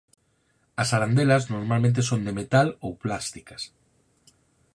As arandelas normalmente son de metal ou plásticas.